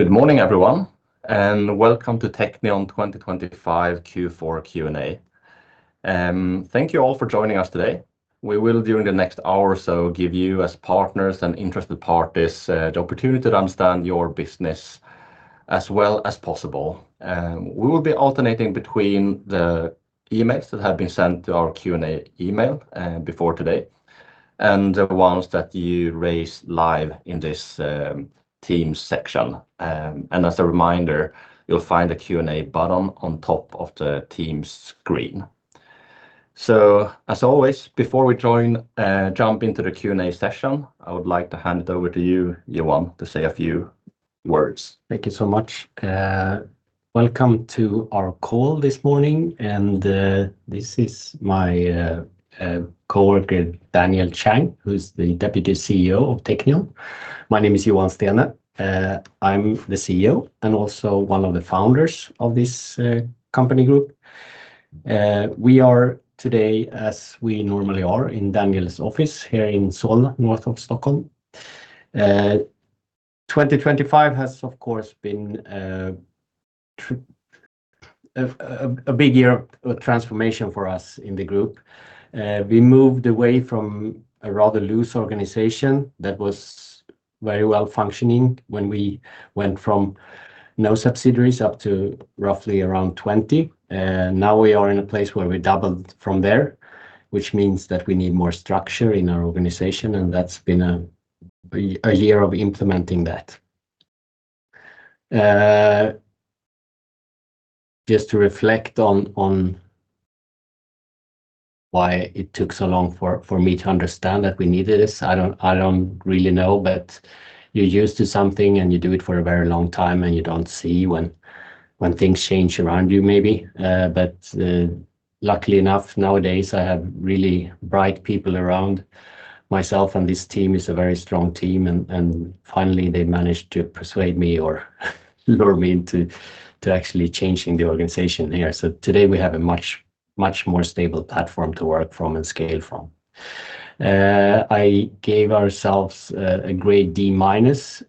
Good morning, everyone, and welcome to Teqnion 2025 Q4 Q&A. Thank you all for joining us today. We will, during the next hour or so, give you as partners and interested parties, the opportunity to understand your business as well as possible. We will be alternating between the emails that have been sent to our Q&A email before today, and the ones that you raise live in this Teams section. And as a reminder, you'll find the Q&A button on top of the Teams screen. So as always, before we jump into the Q&A session, I would like to hand it over to you, Johan, to say a few words. Thank you so much. Welcome to our call this morning, and this is my coworker, Daniel Zhang, who's the Deputy CEO of Teqnion. My name is Johan Steene. I'm the CEO and also one of the founders of this company group. We are today, as we normally are, in Daniel's office here in Solna, north of Stockholm. 2025 has, of course, been a big year of transformation for us in the group. We moved away from a rather loose organization that was very well functioning when we went from no subsidiaries up to roughly around 20. And now we are in a place where we doubled from there, which means that we need more structure in our organization, and that's been a year of implementing that. Just to reflect on why it took so long for me to understand that we needed this, I don't really know, but you're used to something and you do it for a very long time, and you don't see when things change around you, maybe. But luckily enough, nowadays, I have really bright people around myself, and this team is a very strong team, and finally, they managed to persuade me or lure me into actually changing the organization here. So today we have a much, much more stable platform to work from and scale from. I gave ourselves a grade D-minus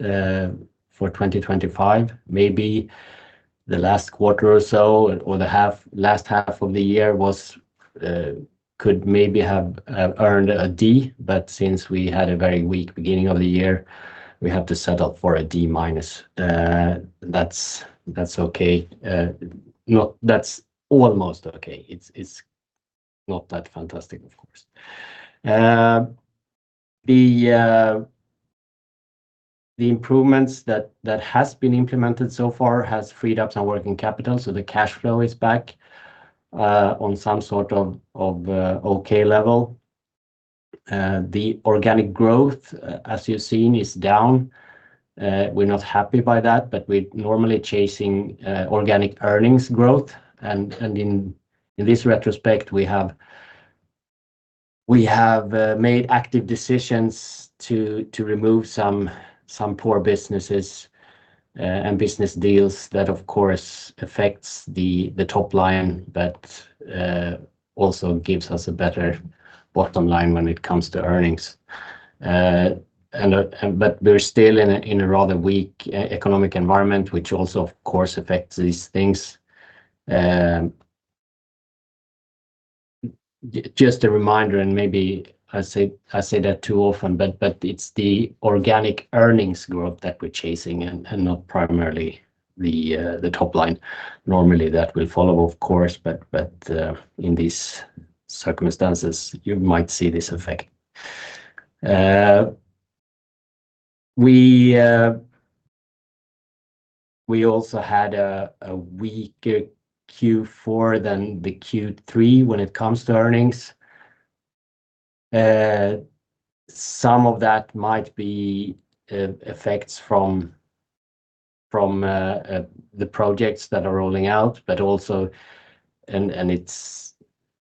for 2025. Maybe the last quarter or so, or the half, last half of the year was, could maybe have, earned a D, but since we had a very weak beginning of the year, we have to settle for a D-minus. That's, okay. No, that's almost okay. It's, it's not that fantastic, of course. The, the improvements that has been implemented so far has freed up some working capital, so the cash flow is back, on some sort of, of, okay level. The organic growth, as you've seen, is down. We're not happy by that, but we're normally chasing, organic earnings growth. In retrospect, we have made active decisions to remove some poor businesses and business deals that, of course, affects the top line, but also gives us a better bottom line when it comes to earnings. But we're still in a rather weak economic environment, which also, of course, affects these things. Just a reminder, and maybe I say that too often, but it's the organic earnings growth that we're chasing and not primarily the top line. Normally, that will follow, of course, but in these circumstances, you might see this effect. We also had a weaker Q4 than the Q3 when it comes to earnings. Some of that might be effects from the projects that are rolling out, but also it's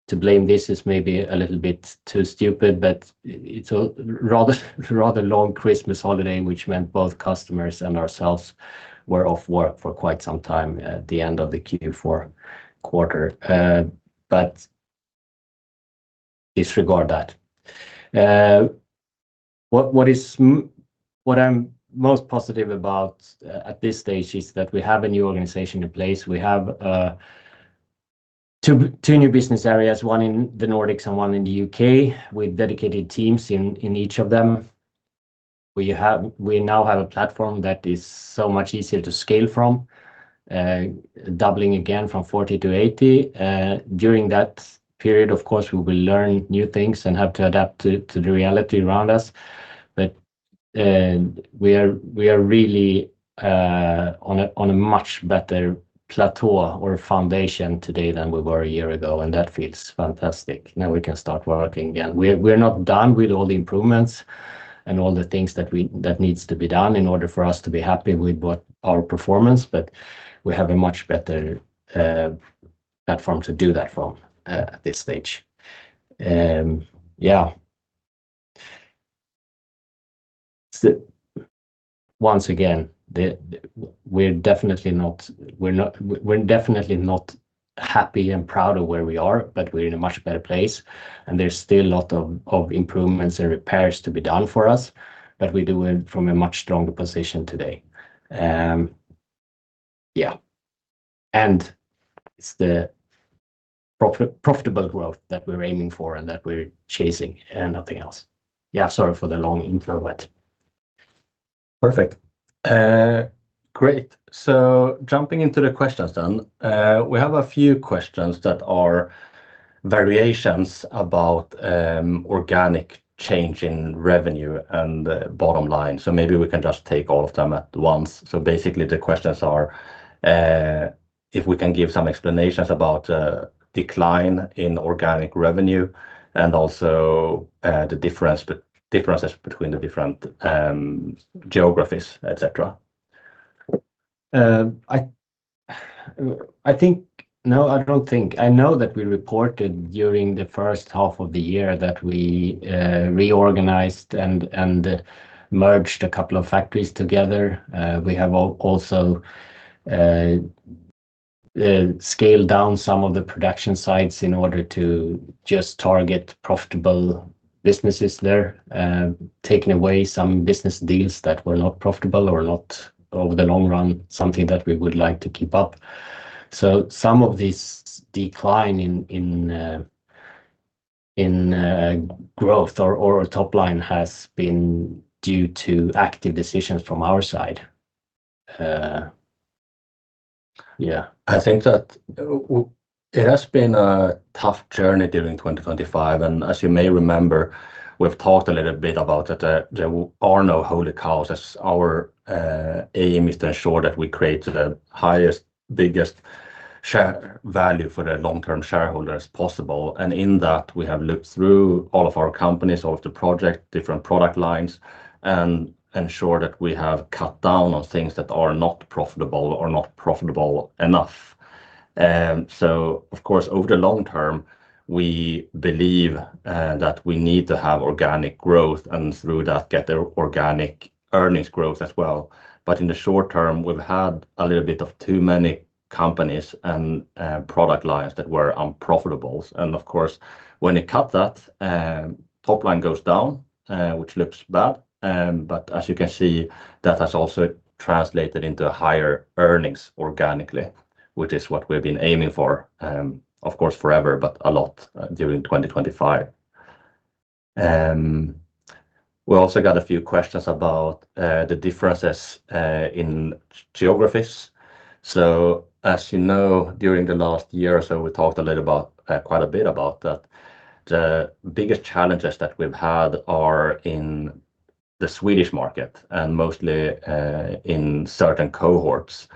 to blame. This is maybe a little bit too stupid, but it's a rather long Christmas holiday, which meant both customers and ourselves were off work for quite some time at the end of the Q4 quarter. But disregard that. What I'm most positive about at this stage is that we have a new organization in place. We have two new business areas, one in the Nordics and one in the UK, with dedicated Teams in each of them. We now have a platform that is so much easier to scale from, doubling again from 40 to 80. During that period, of course, we will learn new things and have to adapt to the reality around us. But we are really on a much better plateau or foundation today than we were a year ago, and that feels fantastic. Now we can start working again. We're not done with all the improvements and all the things that needs to be done in order for us to be happy with what our performance is, but we have a much better platform to do that from at this stage. Yeah. So once again, we're definitely not. Happy and proud of where we are, but we're in a much better place, and there's still a lot of improvements and repairs to be done for us, but we do it from a much stronger position today. Yeah, and it's the profitable growth that we're aiming for and that we're chasing, and nothing else. Yeah, sorry for the long intro, but. Perfect. Great. So jumping into the questions then, we have a few questions that are variations about organic change in revenue and bottom line. So maybe we can just take all of them at once. So basically, the questions are, if we can give some explanations about decline in organic revenue and also the differences between the different geographies, et cetera. I know that we reported during the first half of the year that we reorganized and merged a couple of factories together. We have also scaled down some of the production sites in order to just target profitable businesses there, taking away some business deals that were not profitable or not, over the long run, something that we would like to keep up. So some of this decline in growth or top line has been due to active decisions from our side. Yeah, I think that it has been a tough journey during 2025, and as you may remember, we've talked a little bit about that, there are no holy cows, as our aim is to ensure that we create the highest, biggest share value for the long-term shareholder as possible. And in that, we have looked through all of our companies, all of the project, different product lines, and ensure that we have cut down on things that are not profitable or not profitable enough. So of course, over the long term, we believe, that we need to have organic growth and through that, get the organic earnings growth as well. But in the short term, we've had a little bit of too many companies and, product lines that were unprofitable. Of course, when you cut that, top line goes down, which looks bad. But as you can see, that has also translated into higher earnings organically, which is what we've been aiming for, of course, forever, but a lot during 2025. We also got a few questions about the differences in geographies. So as you know, during the last year or so, we talked a little about, quite a bit about that. The biggest challenges that we've had are in the Swedish market and mostly in certain cohorts.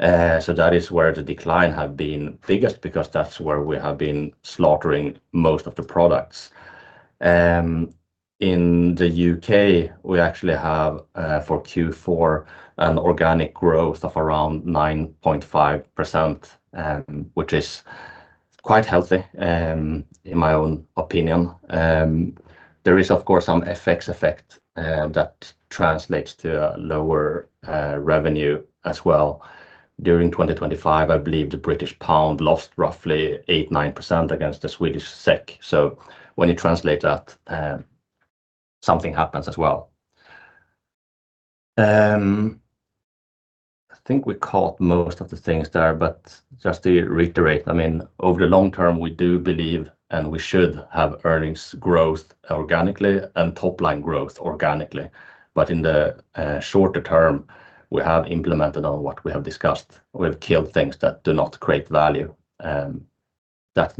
So that is where the decline has been biggest, because that's where we have been slaughtering most of the products. In the U.K., we actually have, for Q4, an organic growth of around 9.5%, which is quite healthy, in my own opinion. There is, of course, some FX effect that translates to a lower revenue as well. During 2025, I believe the British Pound lost roughly 8%-9% against the Swedish SEK. So when you translate that, something happens as well. I think we caught most of the things there, but just to reiterate, I mean, over the long term, we do believe, and we should have organic earnings growth and organic top-line growth. But in the shorter term, we have implemented on what we have discussed. We have killed things that do not create value, that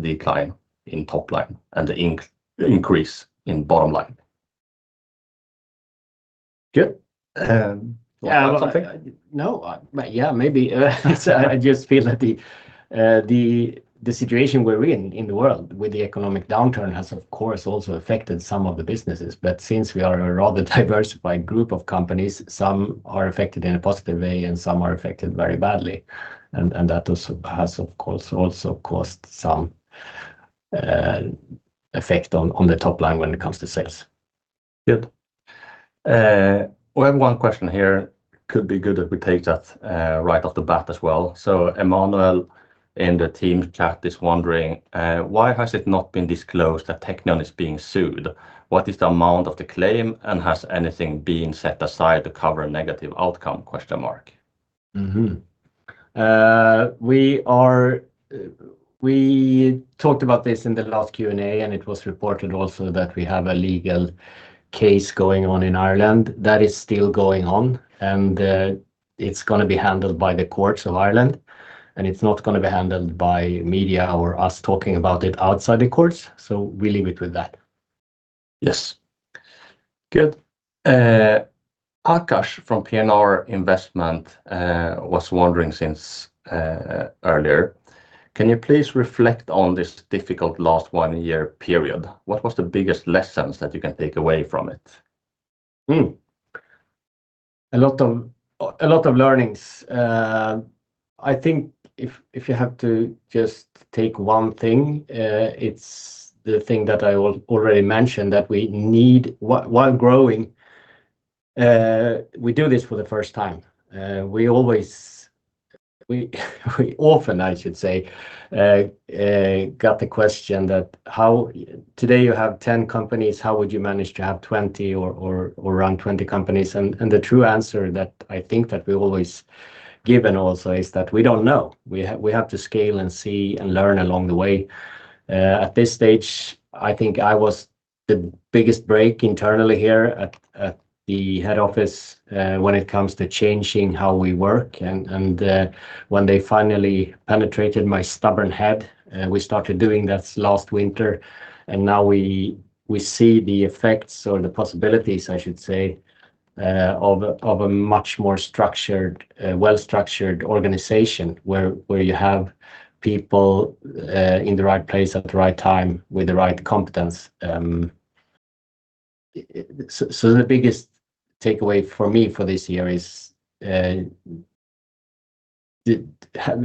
decline in top line and the increase in bottom line. Good. You want to add something? No, but yeah, maybe. I just feel that the situation we're in, in the world with the economic downturn has, of course, also affected some of the businesses, but since we are a rather diversified group of companies, some are affected in a positive way and some are affected very badly, and that also has, of course, also caused some effect on the top line when it comes to sales. Good. We have one question here. Could be good if we take that, right off the bat as well. So Emmanuel in the Teams chat is wondering, "Why has it not been disclosed that Teqnion is being sued? What is the amount of the claim, and has anything been set aside to cover a negative outcome?" Question mark. We talked about this in the last Q&A, and it was reported also that we have a legal case going on in Ireland. That is still going on, and it's gonna be handled by the courts of Ireland, and it's not gonna be handled by media or us talking about it outside the courts. So we leave it with that. Yes. Good. Akash from P&R Investment Management was wondering since earlier: "Can you please reflect on this difficult last one-year period? What was the biggest lessons that you can take away from it? A lot of learnings. I think if you have to just take one thing, it's the thing that I already mentioned, that we need while growing. We do this for the first time. We often, I should say, got the question that how. Today you have 10 companies, how would you manage to have 20 or run 20 companies? And the true answer that I think that we always given also is that we don't know. We have to scale and see and learn along the way. At this stage, I think I was the biggest brake internally here at the head office when it comes to changing how we work, and when they finally penetrated my stubborn head, we started doing that last winter, and now we see the effects or the possibilities, I should say, of a much more structured, well-structured organization, where you have people in the right place at the right time with the right competence. So the biggest takeaway for me for this year is,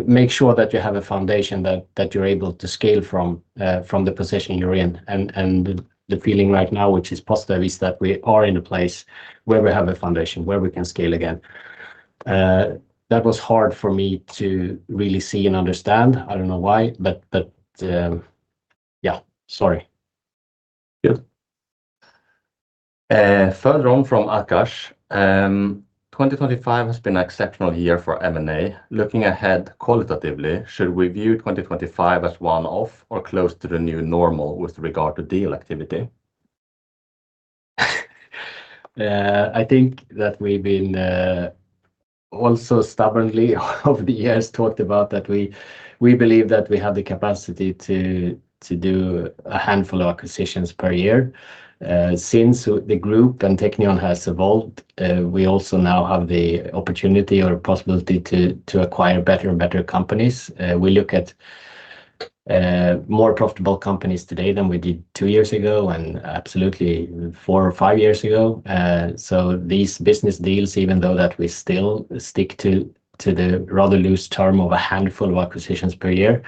make sure that you have a foundation that you're able to scale from, from the position you're in. And the feeling right now, which is positive, is that we are in a place where we have a foundation, where we can scale again. That was hard for me to really see and understand. I don't know why, but yeah, sorry. Good. Further on from Akash, "2025 has been an exceptional year for M&A. Looking ahead, qualitatively, should we view 2025 as one-off or close to the new normal with regard to deal activity? I think that we've been, also stubbornly over the years, talked about that we, we believe that we have the capacity to, to do a handful of acquisitions per year. Since the group and Teqnion has evolved, we also now have the opportunity or possibility to, to acquire better and better companies. We look at, more profitable companies today than we did two years ago and absolutely four or five years ago. So these business deals, even though that we still stick to, to the rather loose term of a handful of acquisitions per year,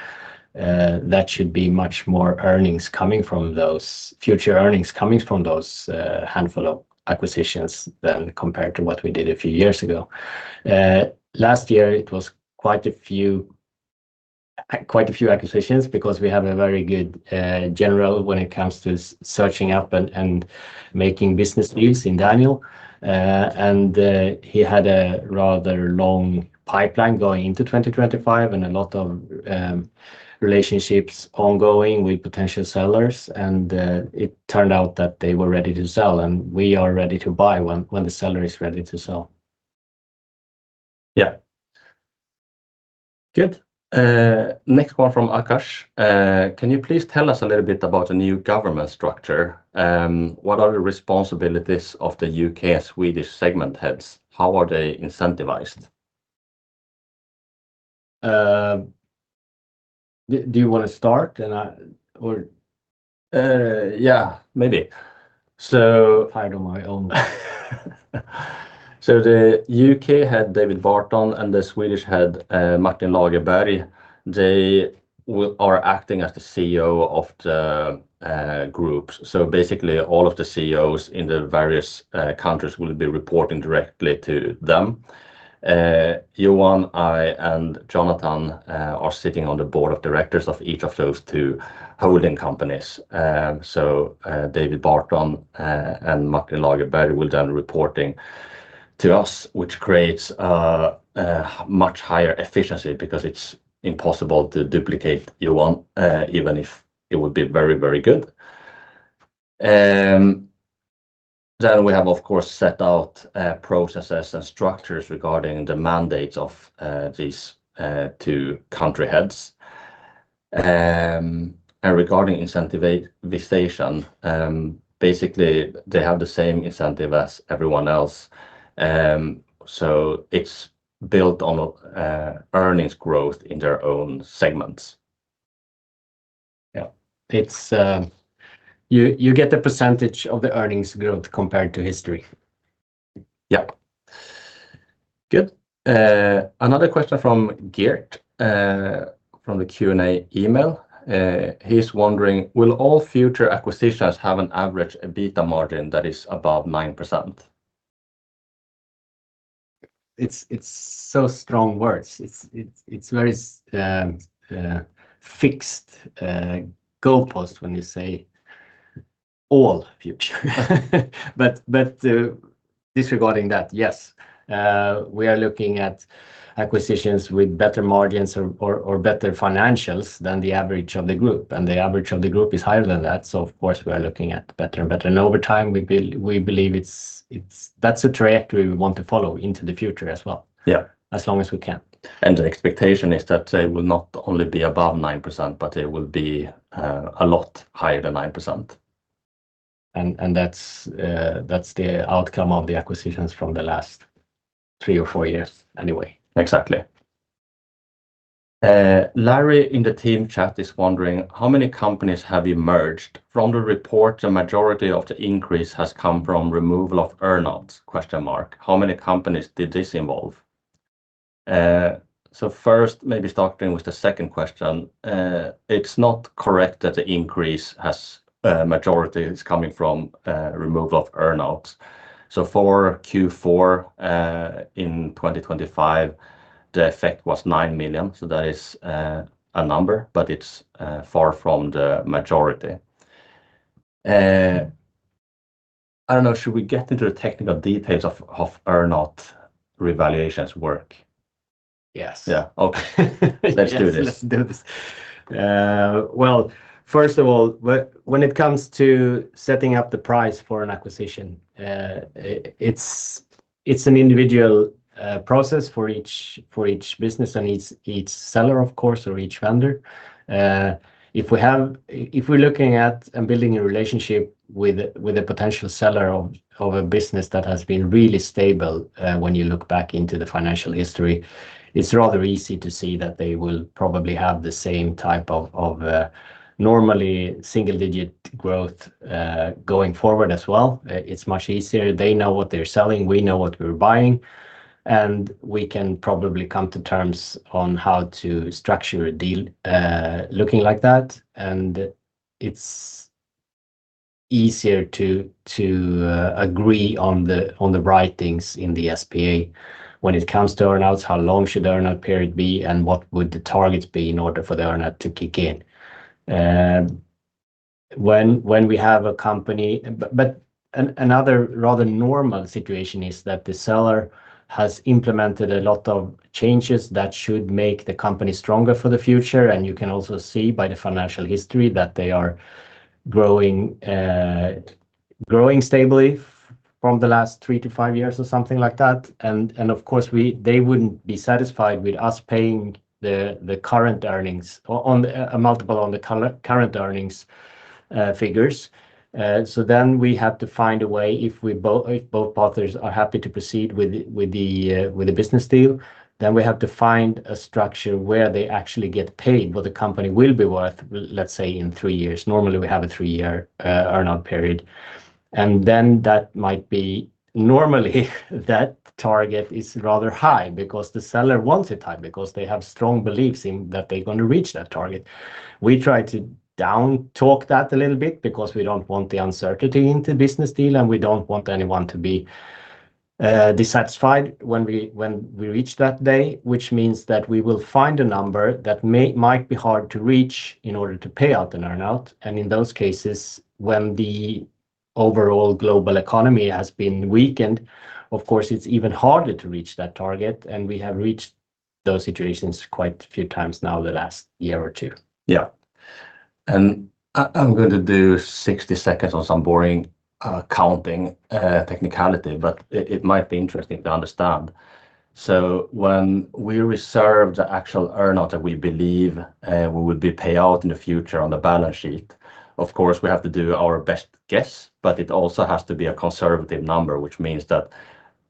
that should be much more earnings coming from those, future earnings coming from those, handful of acquisitions than compared to what we did a few years ago. Last year, it was quite a few, quite a few acquisitions because we have a very good general when it comes to sourcing and making business deals with Daniel. He had a rather long pipeline going into 2025 and a lot of relationships ongoing with potential sellers, and it turned out that they were ready to sell, and we are ready to buy when the seller is ready to sell. Yeah. Good. Next one from Akash: "Can you please tell us a little bit about the new governance structure? What are the responsibilities of the UK and Swedish segment heads? How are they incentivized? Do you want to start, and I. Yeah, maybe. I go my own. So the UK head, David Barton, and the Swedish head, Martin Lagerberg, they are acting as the CEO of the groups. So basically, all of the CEOs in the various countries will be reporting directly to them. Johan, I, and Jonathan are sitting on the Board of Directors of each of those two holding companies. So David Barton and Martin Lagerberg will then report to us, which creates a much higher efficiency because it's impossible to duplicate Johan, even if it would be very, very good. Then we have, of course, set out processes and structures regarding the mandates of these two country heads. And regarding incentivization, basically, they have the same incentive as everyone else. So it's built on earnings growth in their own segments. Yeah. It's you get the percentage of the earnings growth compared to history. Yeah. Good. Another question from Gert from the Q&A email. He's wondering: "Will all future acquisitions have an average EBITDA margin that is above 9%? It's so strong words. It's very fixed goalpost when you say all future. But disregarding that, yes, we are looking at acquisitions with better margins or better financials than the average of the group, and the average of the group is higher than that. So of course, we are looking at better and better. And over time, we believe that's a trajectory we want to follow into the future as well as long as we can. The expectation is that they will not only be above 9%, but it will be a lot higher than 9%. And that's the outcome of the acquisitions from the last three or four years, anyway. Exactly. Larry, in the team chat, is wondering: "How many companies have emerged from the report? The majority of the increase has come from removal of earn-outs? How many companies did this involve?". So first, maybe starting with the second question. It's not correct that the increase has majority is coming from removal of earn-outs. So for Q4 in 2025, the effect was 9 million. So that is a number, but it's far from the majority. I don't know, should we get into the technical details of earn-out revaluations work? Yes. Yeah. Okay. Let's do this. Yes, let's do this. Well, first of all, when it comes to setting up the price for an acquisition, it's an individual process for each business and each seller, of course, or each vendor. If we're looking at and building a relationship with a potential seller of a business that has been really stable, when you look back into the financial history, it's rather easy to see that they will probably have the same type of normally single-digit growth going forward as well. It's much easier. They know what they're selling, we know what we're buying, and we can probably come to terms on how to structure a deal looking like that. And it's easier to agree on the right things in the SPA. When it comes to earn-outs, how long should the earn-out period be, and what would the targets be in order for the earn-out to kick in? When we have a company. But another rather normal situation is that the seller has implemented a lot of changes that should make the company stronger for the future, and you can also see by the financial history that they are growing stably from the last three to five years or something like that. And of course, they wouldn't be satisfied with us paying the current earnings on a multiple on the current earnings figures. So then we have to find a way, if both parties are happy to proceed with the business deal, then we have to find a structure where they actually get paid what the company will be worth, let's say, in three years. Normally, we have a three-year earn-out period. Then that might be. Normally, that target is rather high because the seller wants it high, because they have strong beliefs in that they're going to reach that target. We try to down talk that a little bit because we don't want the uncertainty in the business deal, and we don't want anyone to be dissatisfied when we reach that day, which means that we will find a number that might be hard to reach in order to pay out the earn-out. In those cases, when the overall global economy has been weakened, of course, it's even harder to reach that target, and we have reached those situations quite a few times now, the last year or two. Yeah. I'm going to do 60 seconds on some boring accounting technicality, but it might be interesting to understand. So when we reserve the actual earn-out that we believe will be paid out in the future on the balance sheet, of course, we have to do our best guess, but it also has to be a conservative number, which means that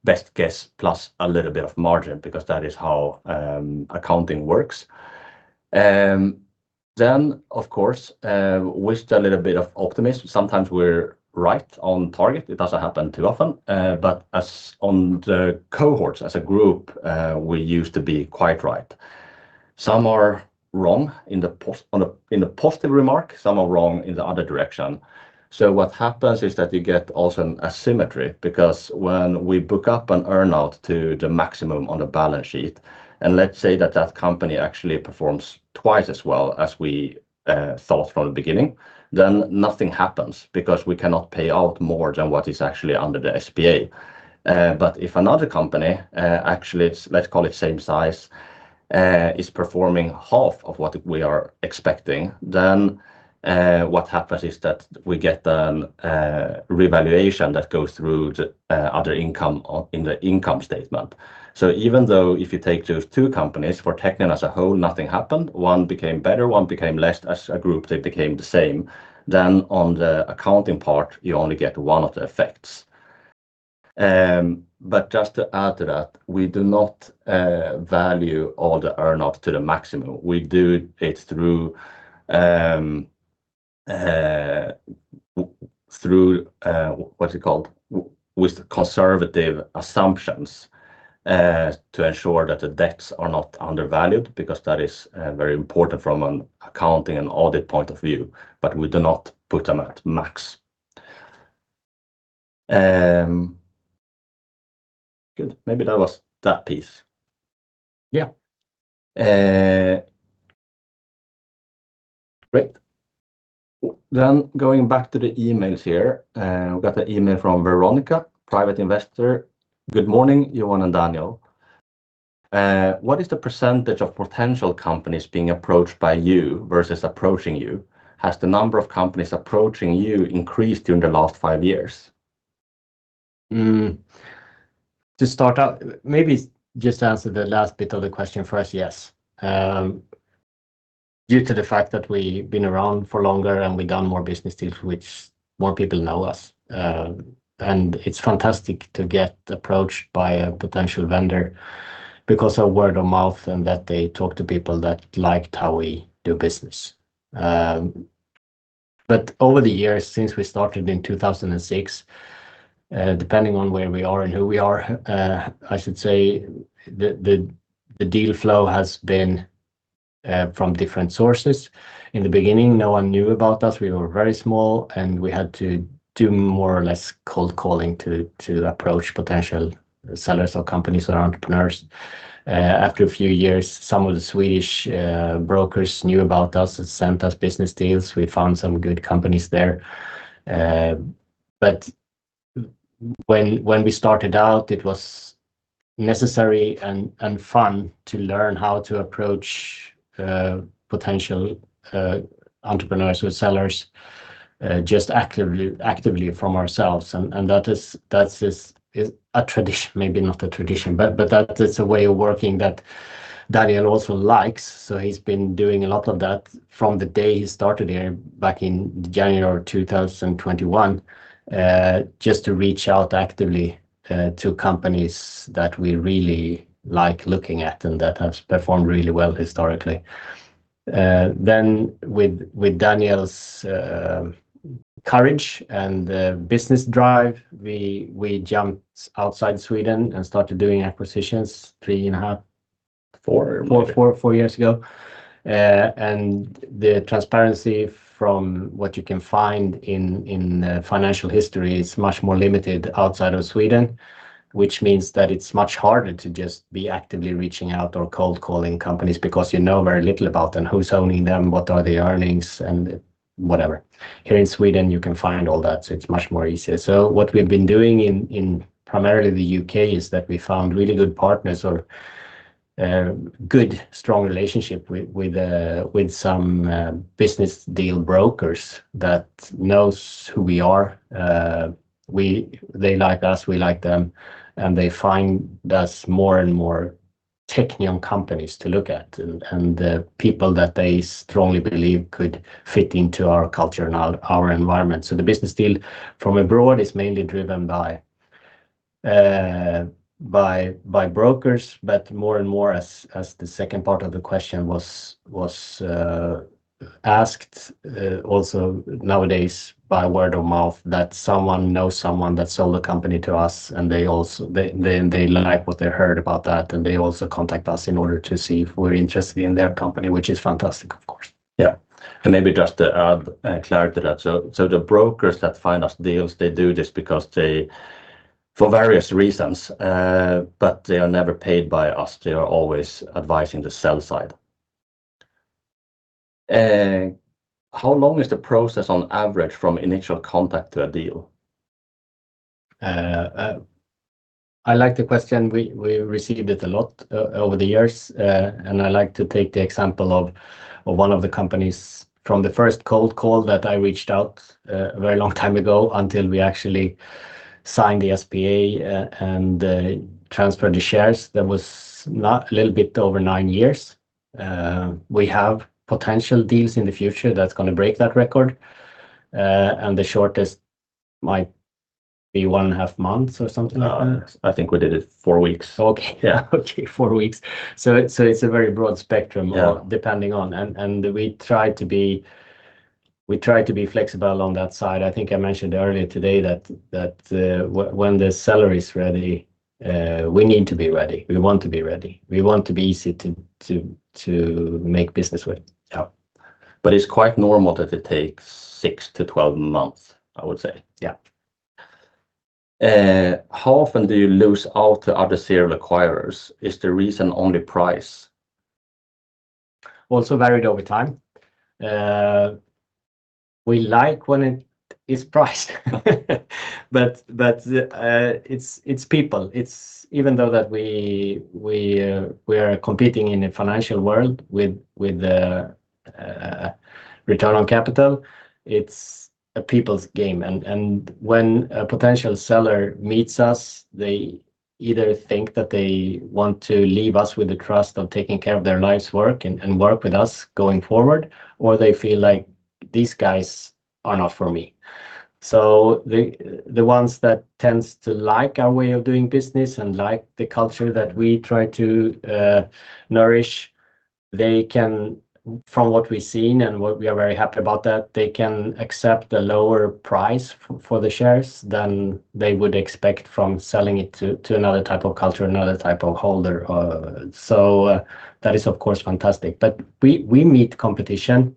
best guess plus a little bit of margin, because that is how accounting works. Then, of course, with a little bit of optimism, sometimes we're right on target. It doesn't happen too often, but on the cohorts, as a group, we used to be quite right. Some are wrong in the pos-- on a, in a positive remark, some are wrong in the other direction. So what happens is that you get also an asymmetry, because when we book up an earn-out to the maximum on a balance sheet, and let's say that that company actually performs twice as well as we thought from the beginning, then nothing happens because we cannot pay out more than what is actually under the SPA. But if another company, actually, let's call it same size, is performing half of what we are expecting, then what happens is that we get a revaluation that goes through the other income or in the income statement. So even though if you take those two companies, for Teqnion as a whole, nothing happened. One became better, one became less. As a group, they became the same. Then on the accounting part, you only get one of the effects. But just to add to that, we do not value all the earn-outs to the maximum. We do it through, what's it called? With conservative assumptions, to ensure that the debts are not undervalued, because that is very important from an accounting and audit point of view, but we do not put them at max. Good. Maybe that was that piece. Great. Then going back to the emails here, we've got an email from Veronica, private investor. "Good morning, Johan and Daniel. What is the percentage of potential companies being approached by you versus approaching you? Has the number of companies approaching you increased during the last five years? To start out, maybe just answer the last bit of the question first. Yes. Due to the fact that we've been around for longer and we've done more business deals, which more people know us. And it's fantastic to get approached by a potential vendor because of word of mouth and that they talk to people that like how we do business. But over the years, since we started in 2006, depending on where we are and who we are, I should say the deal flow has been from different sources. In the beginning, no one knew about us. We were very small, and we had to do more or less cold calling to approach potential sellers or companies or entrepreneurs. After a few years, some of the Swedish brokers knew about us and sent us business deals. We found some good companies there. But when we started out, it was necessary and fun to learn how to approach potential entrepreneurs or sellers, just actively from ourselves. And that is a tradition, maybe not a tradition, but that is a way of working that Daniel also likes. So he's been doing a lot of that from the day he started here back in January of 2021, just to reach out actively to companies that we really like looking at and that have performed really well historically. Then with Daniel's courage and business drive, we jumped outside Sweden and started doing acquisitions 3.5- Four. Four years ago. And the transparency from what you can find in, in, financial history is much more limited outside of Sweden, which means that it's much harder to just be actively reaching out or cold calling companies because you know very little about them, who's owning them, what are the earnings, and whatever. Here in Sweden, you can find all that, so it's much more easier. So what we've been doing in, in primarily the UK, is that we found really good partners or, good, strong relationship with, with, with some, business deal brokers that knows who we are. They like us, we like them, and they find us more and more Teqnion companies to look at, and, and the people that they strongly believe could fit into our culture and our, our environment. So the business deal from abroad is mainly driven by brokers, but more and more as the second part of the question was asked, also nowadays by word of mouth, that someone knows someone that sold a company to us, and they also like what they heard about that, and they also contact us in order to see if we're interested in their company, which is fantastic, of course. Yeah, and maybe just to add clarity to that. So, so the brokers that find us deals, they do this because they, for various reasons, but they are never paid by us. They are always advising the sell side. How long is the process on average from initial contact to a deal? I like the question. We received it a lot over the years, and I like to take the example of one of the companies from the first cold call that I reached out, a very long time ago, until we actually signed the SPA and transferred the shares. That was not a little bit over 9 years. We have potential deals in the future that's gonna break that record. And the shortest might be 1.5 months or something like that. I think we did it four weeks. Okay. Okay, four weeks. So it's a very broad spectrum depending on, we try to be flexible on that side. I think I mentioned earlier today that when the seller is ready, we need to be ready. We want to be ready. We want to be easy to make business with. Yeah. But it's quite normal that it takes six to 12 months, I would say. How often do you lose out to other serial acquirers? Is the reason only price? Also varied over time. We like when it is price, but, but, it's, it's people. It's even though that we, we, we are competing in a financial world with, with, return on capital, it's a people's game. And when a potential seller meets us, they either think that they want to leave us with the trust of taking care of their life's work and work with us going forward, or they feel like, "These guys are not for me." So the ones that tend to like our way of doing business and like the culture that we try to nourish, they can, from what we've seen and what we are very happy about that, they can accept a lower price for the shares than they would expect from selling it to another type of culture, another type of holder. That is, of course, fantastic. But we meet competition,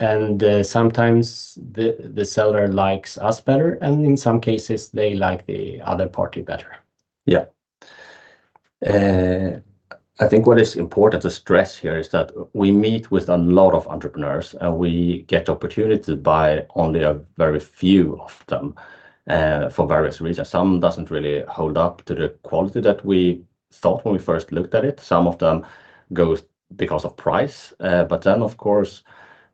and sometimes the seller likes us better, and in some cases, they like the other party better. Yeah. I think what is important to stress here is that we meet with a lot of entrepreneurs, and we get the opportunity to buy only a very few of them for various reasons. Some doesn't really hold up to the quality that we thought when we first looked at it. Some of them go because of price. But then, of course,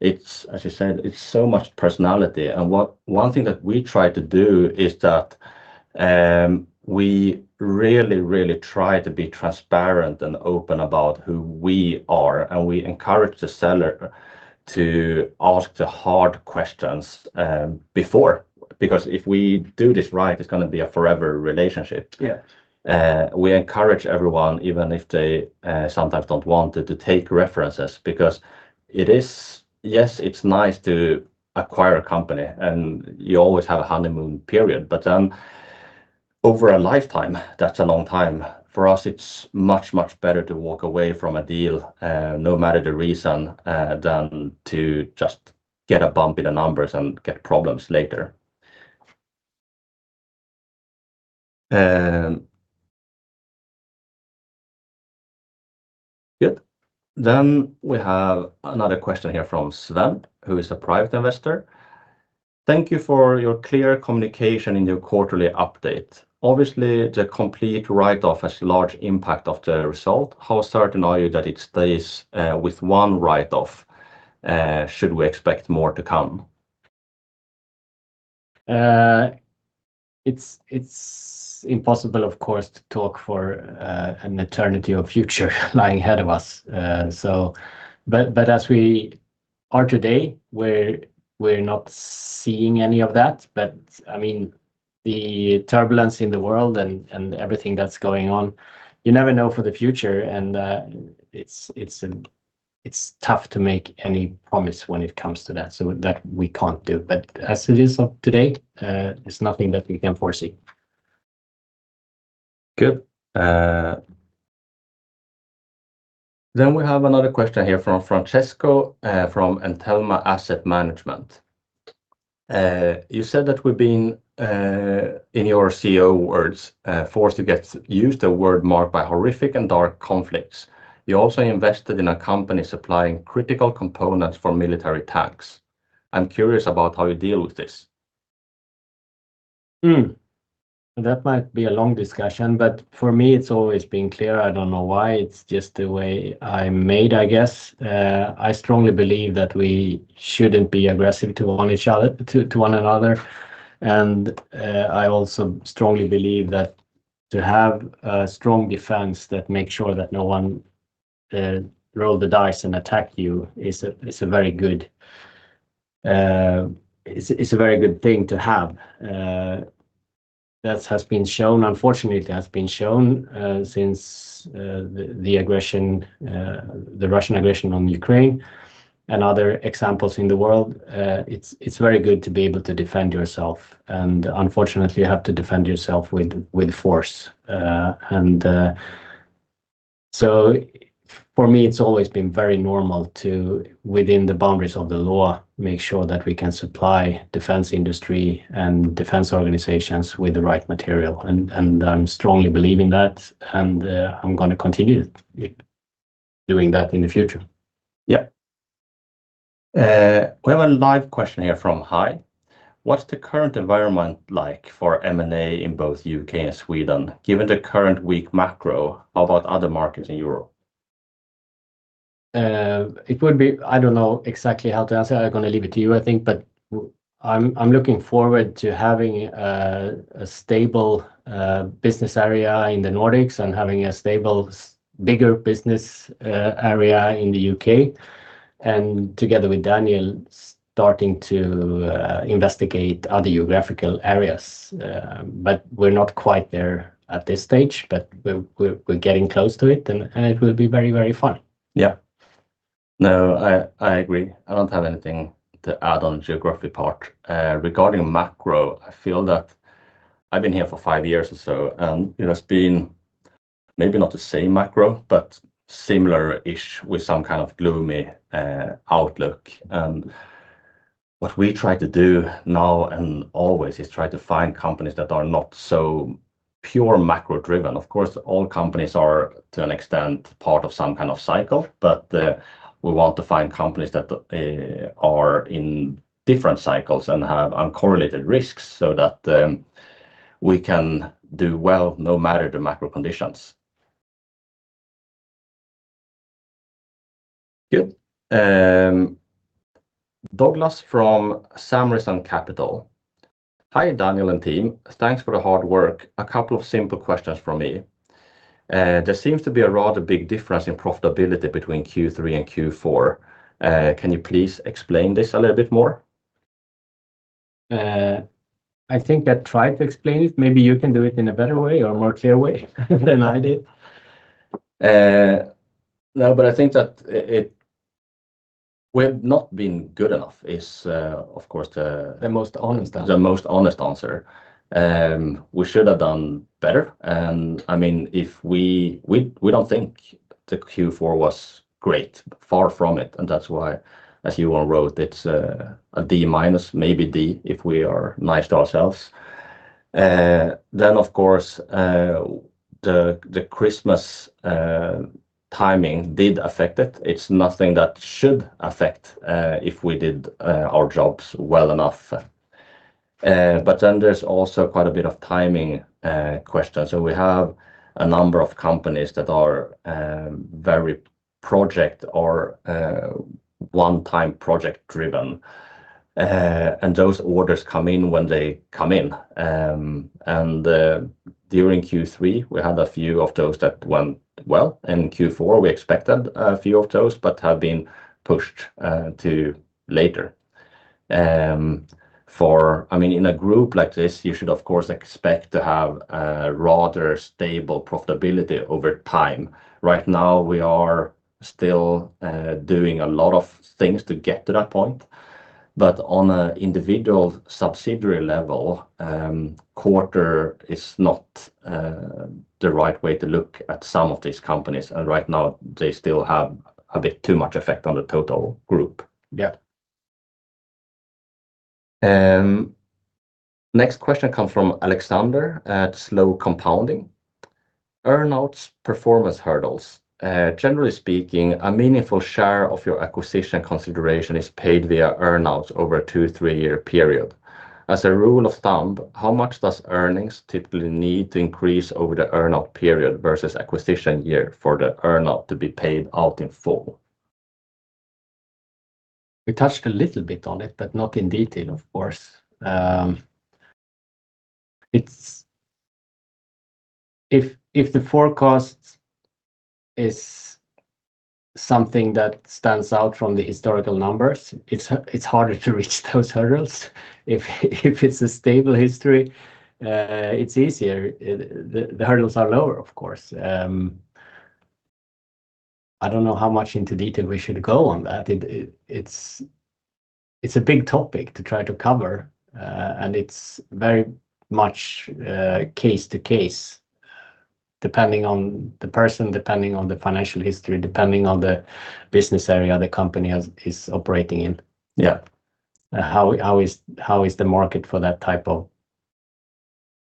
it's, as you said, it's so much personality. And one thing that we try to do is that we really, really try to be transparent and open about who we are, and we encourage the seller to ask the hard questions before. Because if we do this right, it's gonna be a forever relationship. We encourage everyone, even if they sometimes don't want to, to take references, because it is—yes, it's nice to acquire a company, and you always have a honeymoon period, but over a lifetime, that's a long time. For us, it's much, much better to walk away from a deal no matter the reason than to just get a bump in the numbers and get problems later. And good. Then we have another question here from Sven, who is a private investor: "Thank you for your clear communication in your quarterly update. Obviously, the complete write-off has a large impact on the result. How certain are you that it stays with one write-off? Should we expect more to come? It's impossible, of course, to talk for an eternity of future lying ahead of us. As we are today, we're not seeing any of that. I mean, the turbulence in the world and everything that's going on, you never know for the future, and it's tough to make any promise when it comes to that, so that we can't do. As it is of today, it's nothing that we can foresee. Good. Then we have another question here from Francesco from Antelma Asset Management. "You said that we've been in your CEO words forced to use the word marked by horrific and dark conflicts. You also invested in a company supplying critical components for military tanks. I'm curious about how you deal with this. That might be a long discussion, but for me, it's always been clear. I don't know why, it's just the way I'm made, I guess. I strongly believe that we shouldn't be aggressive to one each other—to, to one another. And, I also strongly believe that to have a strong defense that make sure that no one, roll the dice and attack you is a, is a very good. It's, it's a very good thing to have. That has been shown, unfortunately, it has been shown, since, the, the aggression, the Russian aggression on Ukraine and other examples in the world. It's, it's very good to be able to defend yourself, and unfortunately, you have to defend yourself with, with force. So for me, it's always been very normal to, within the boundaries of the law, make sure that we can supply the defense industry and defense organizations with the right material, and I strongly believe in that, and I'm gonna continue doing that in the future. Yeah. We have a live question here from Hai: "What's the current environment like for M&A in both UK and Sweden, given the current weak macro about other markets in Europe? It would be—I don't know exactly how to answer. I'm gonna leave it to you, I think, but I'm looking forward to having a stable business area in the Nordics and having a stable, bigger business area in the UK, and together with Daniel, starting to investigate other geographical areas. But we're not quite there at this stage, but we're getting close to it, and it will be very, very fun. Yeah. No, I agree. I don't have anything to add on the geography part. Regarding macro, I feel that I've been here for five years or so, and it has been maybe not the same macro, but similar-ish with some kind of gloomy outlook. And what we try to do now and always is try to find companies that are not so pure macro-driven. Of course, all companies are, to an extent, part of some kind of cycle, but we want to find companies that are in different cycles and have uncorrelated risks so that we can do well, no matter the macro conditions. Good. Douglas from Samrisan Capital: "Hi, Daniel and team. Thanks for the hard work. A couple of simple questions from me. There seems to be a rather big difference in profitability between Q3 and Q4. Can you please explain this a little bit more? I think I tried to explain it. Maybe you can do it in a better way or more clear way than I did. No, but I think that it. We've not been good enough, is, of course, the. The most honest answer. The most honest answer. We should have done better, and, I mean, we don't think the Q4 was great, far from it, and that's why, as Johan wrote, it's a D-minus, maybe D, if we are nice to ourselves. Then, of course, the Christmas timing did affect it. It's nothing that should affect if we did our jobs well enough. But then there's also quite a bit of timing question. So we have a number of companies that are very project or one-time project-driven, and those orders come in when they come in. And during Q3, we had a few of those that went well, and Q4, we expected a few of those, but have been pushed to a later period. I mean, in a group like this, you should, of course, expect to have a rather stable profitability over time. Right now, we are still doing a lot of things to get to that point, but on an individual subsidiary level, quarter is not the right way to look at some of these companies, and right now, they still have a bit too much effect on the total group. Yeah. Next question comes from Alexander at Slow Compounding: Earnout performance hurdles. Generally speaking, a meaningful share of your acquisition consideration is paid via earn-out over a two to three years period. As a rule of thumb, how much does earnings typically need to increase over the earn-out period versus acquisition year for the earn-out to be paid out in full? We touched a little bit on it, but not in detail, of course. It's. If the forecast is something that stands out from the historical numbers, it's harder to reach those hurdles. If it's a stable history, it's easier. The hurdles are lower, of course. I don't know how much into detail we should go on that. It's a big topic to try to cover, and it's very much case to case, depending on the person, depending on the financial history, depending on the business area the company is operating in. How is the market for that type of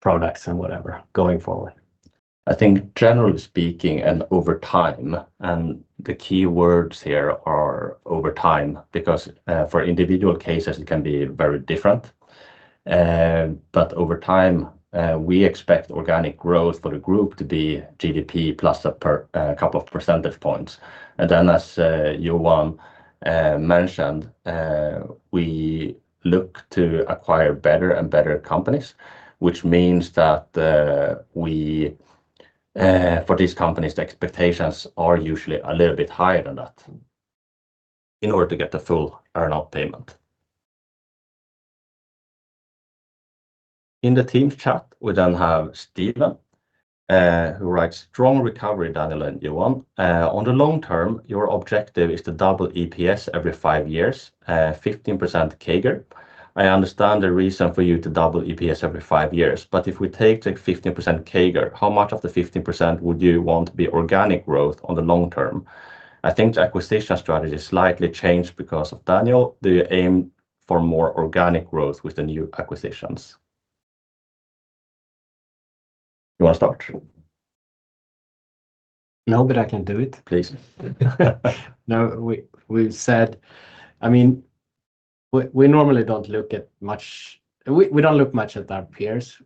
products and whatever, going forward? I think generally speaking, and over time, and the key words here are over time, because, for individual cases, it can be very different. But over time, we expect organic growth for the group to be GDP plus a couple of percentage points. And then, as, Johan, mentioned, we look to acquire better and better companies, which means that, we, for these companies, the expectations are usually a little bit higher than that in order to get the full earn-out payment. In the team chat, we then have Steven, who writes: Strong recovery, Daniel and Johan. On the long term, your objective is to double EPS every five years, 15% CAGR. I understand the reason for you to double EPS every 5 years, but if we take the 15% CAGR, how much of the 15% would you want to be organic growth on the long term? I think the acquisition strategy slightly changed because of Daniel. Do you aim for more organic growth with the new acquisitions? You want to start? No, but I can do it. Please. No, we've said—I mean, we normally don't look much at our peers,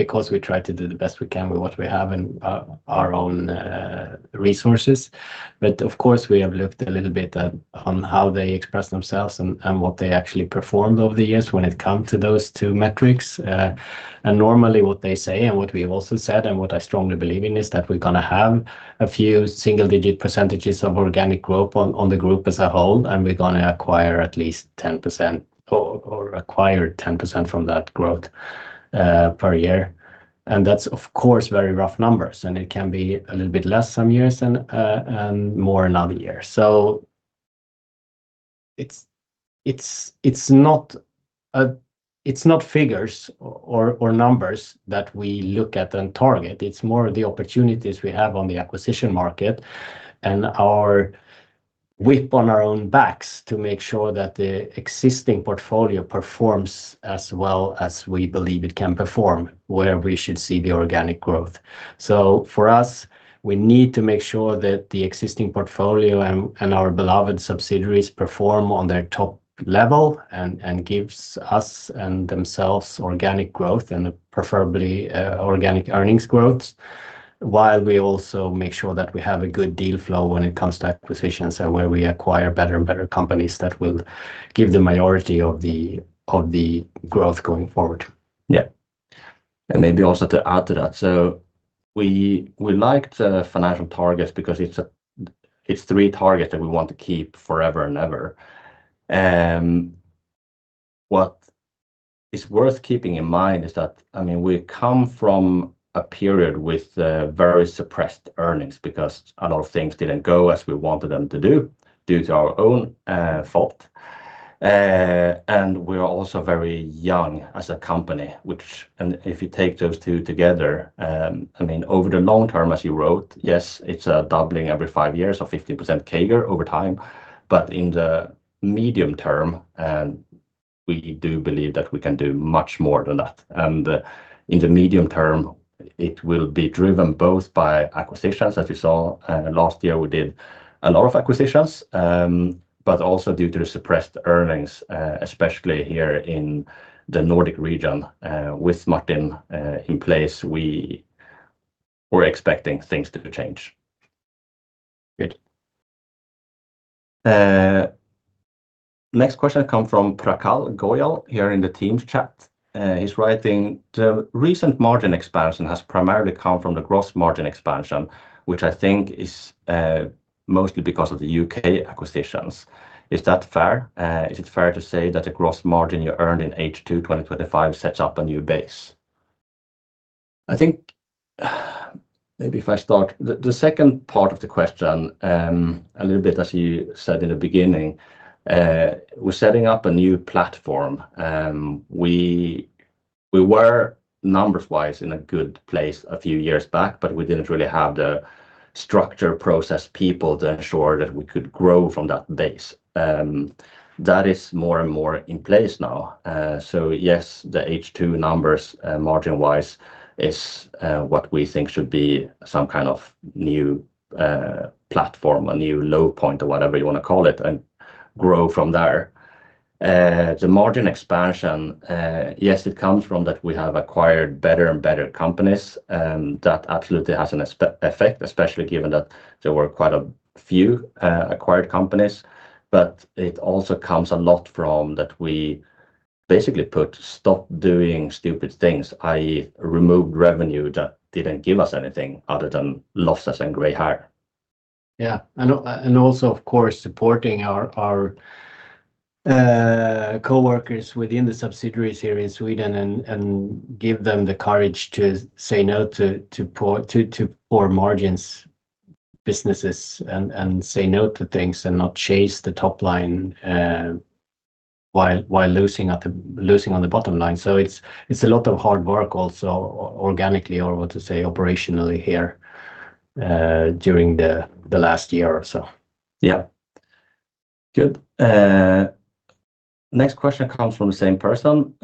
because we try to do the best we can with what we have and our own resources. But of course, we have looked a little bit at how they express themselves and what they actually performed over the years when it come to those two metrics. And normally, what they say and what we have also said, and what I strongly believe in, is that we're gonna have a few single-digit percentages of organic growth on the group as a whole, and we're gonna acquire at least 10% or acquire 10% from that growth per year. That's, of course, very rough numbers, and it can be a little bit less some years and more another year. So it's not figures or numbers that we look at and target. It's more the opportunities we have on the acquisition market and our whip on our own backs to make sure that the existing portfolio performs as well as we believe it can perform, where we should see the organic growth. So for us, we need to make sure that the existing portfolio and our beloved subsidiaries perform on their top level and gives us and themselves organic growth and preferably organic earnings growth, while we also make sure that we have a good deal flow when it comes to acquisitions and where we acquire better and better companies that will give the minority of the growth going forward. Yeah. And maybe also to add to that, so we, we like the financial targets because it's a- it's three targets that we want to keep forever and ever. What is worth keeping in mind is that, I mean, we come from a period with very suppressed earnings because a lot of things didn't go as we wanted them to do, due to our own fault. And we're also very young as a company, which. And if you take those two together, I mean, over the long term, as you wrote, yes, it's a doubling every five years or 50% CAGR over time, but in the medium term, and we do believe that we can do much more than that. And in the medium term, it will be driven both by acquisitions, as you saw, last year, we did a lot of acquisitions, but also due to the suppressed earnings, especially here in the Nordic region. With Martin in place, we were expecting things to change. Good. Next question comes from Prakul Goyal here in the team's chat. He's writing: "The recent margin expansion has primarily come from the gross margin expansion, which I think is mostly because of the U.K. acquisitions. Is that fair? Is it fair to say that the gross margin you earned in H2 2025 sets up a new base?" I think, maybe if I start the second part of the question, a little bit, as you said in the beginning, we're setting up a new platform. We were numbers-wise in a good place a few years back, but we didn't really have the structure, process, people to ensure that we could grow from that base. That is more and more in place now. So yes, the H2 numbers, margin-wise, is what we think should be some kind of new platform, a new low point or whatever you wanna call it, and grow from there. The margin expansion, yes, it comes from that we have acquired better and better companies, and that absolutely has an effect, especially given that there were quite a few acquired companies. But it also comes a lot from that we basically put stop doing stupid things, i.e., removed revenue that didn't give us anything other than losses and gray hair. Yeah. And, and also, of course, supporting our coworkers within the subsidiaries here in Sweden and give them the courage to say no to poor margins businesses and say no to things and not chase the top line, while losing at the losing on the bottom line. So it's a lot of hard work also, organically or what to say, operationally here, during the last year or so. Yeah. Good. Next question comes from the same person.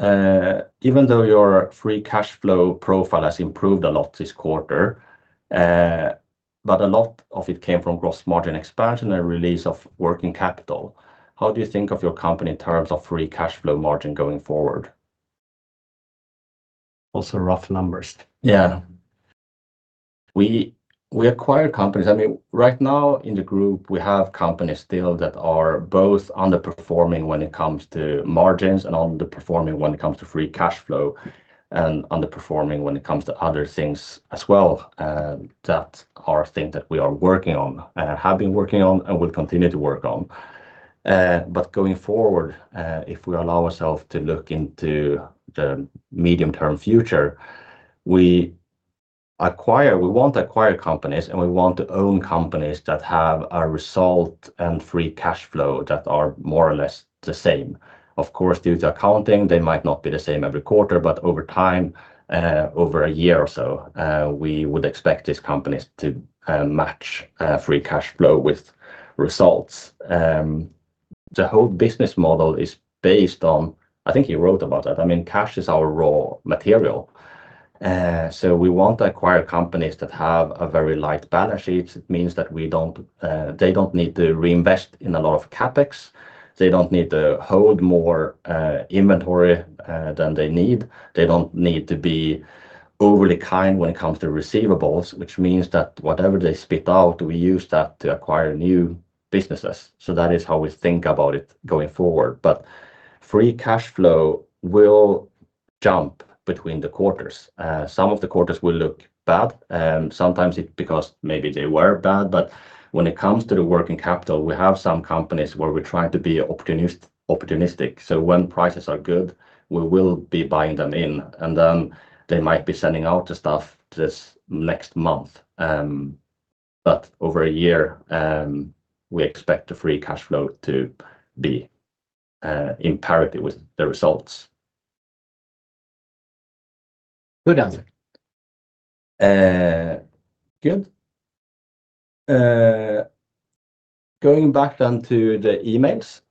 "Even though your free cash flow profile has improved a lot this quarter, but a lot of it came from gross margin expansion and release of working capital. How do you think of your company in terms of free cash flow margin going forward?" Also, rough numbers. Yeah. We acquire companies. I mean, right now in the group, we have companies still that are both underperforming when it comes to margins and underperforming when it comes to free cash flow, and underperforming when it comes to other things as well. That are things that we are working on, have been working on, and will continue to work on. But going forward, if we allow ourself to look into the medium-term future, we acquire-- we want to acquire companies, and we want to own companies that have a result and free cash flow that are more or less the same. Of course, due to accounting, they might not be the same every quarter, but over time, over a year or so, we would expect these companies to match free cash flow with results. The whole business model is based on... I think you wrote about that. I mean, cash is our raw material. So we want to acquire companies that have a very light balance sheet. It means that we don't, they don't need to reinvest in a lot of CapEx. They don't need to hold more inventory than they need. They don't need to be overly kind when it comes to receivables, which means that whatever they spit out, we use that to acquire new businesses. So that is how we think about it going forward. But free cash flow will jump between the quarters. Some of the quarters will look bad, sometimes it's because maybe they were bad. But when it comes to the working capital, we have some companies where we're trying to be opportunistic. So when prices are good, we will be buying them in, and then they might be sending out the stuff this next month. But over a year, we expect the free cash flow to be in parity with the results. Good answer. Good. Going back then to the emails,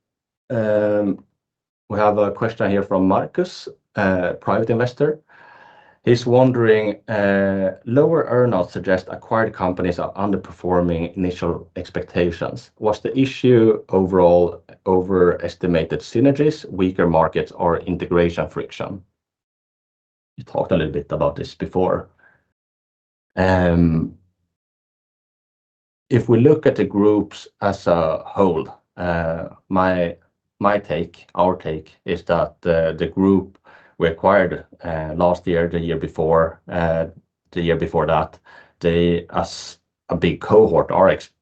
we have a question here from Marcus, private investor. He's wondering, "Lower earn-outs suggest acquired companies are underperforming initial expectations. Was the issue overall overestimated synergies, weaker markets, or integration friction?" You talked a little bit about this before. If we look at the groups as a whole, my, my take, our take is that the, the group we acquired last year, the year before, the year before that, they as a big cohort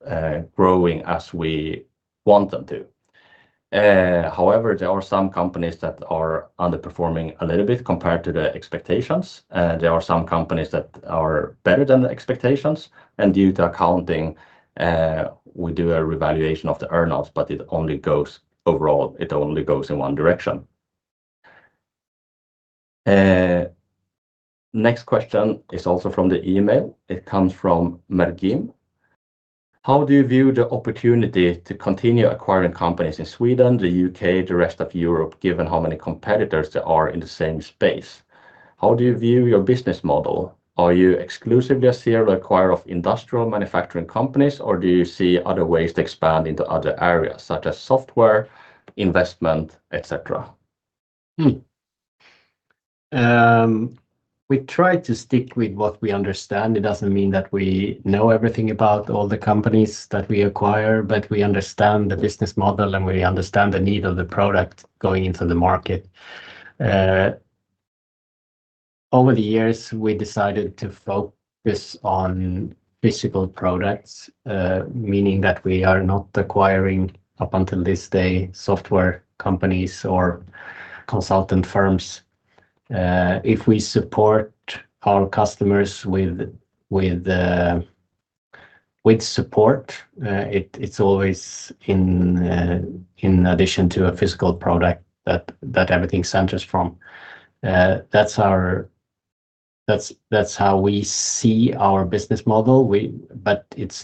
are growing as we want them to. However, there are some companies that are underperforming a little bit compared to the expectations, and there are some companies that are better than the expectations. Due to accounting, we do a revaluation of the earn-outs, but it only goes overall, it only goes in one direction. Next question is also from the email. It comes from Mergim: "How do you view the opportunity to continue acquiring companies in Sweden, the U.K., the rest of Europe, given how many competitors there are in the same space? How do you view your business model? Are you exclusively a serial acquirer of industrial manufacturing companies, or do you see other ways to expand into other areas, such as software, investment, et cetera?" Hmm. We try to stick with what we understand. It doesn't mean that we know everything about all the companies that we acquire, but we understand the business model, and we understand the need of the product going into the market. Over the years, we decided to focus on physical products, meaning that we are not acquiring, up until this day, software companies or consultant firms. If we support our customers with support, it's always in addition to a physical product that everything centers from. That's how we see our business model. But it's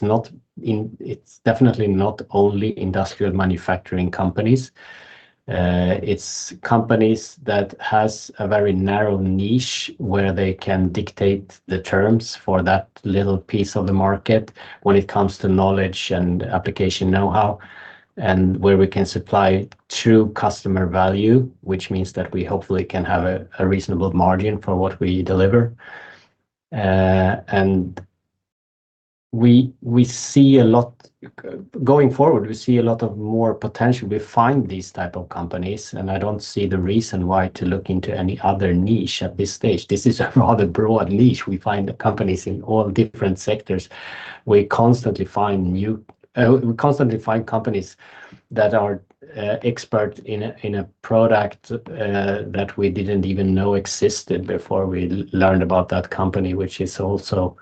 definitely not only industrial manufacturing companies. It's companies that has a very narrow niche, where they can dictate the terms for that little piece of the market when it comes to knowledge and application know-how, and where we can supply true customer value, which means that we hopefully can have a reasonable margin for what we deliver. And we see a lot. Going forward, we see a lot of more potential. We find these type of companies, and I don't see the reason why to look into any other niche at this stage. This is a rather broad niche. We find companies in all different sectors. We constantly find new. We constantly find companies that are expert in a product that we didn't even know existed before we learned about that company, which is also